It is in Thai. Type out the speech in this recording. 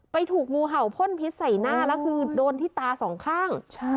ถูกงูเห่าพ่นพิษใส่หน้าแล้วคือโดนที่ตาสองข้าง